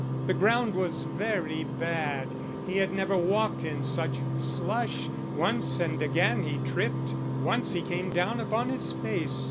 The ground was very bad; he had never walked in such slush. Once and again he tripped; once he came down upon his face.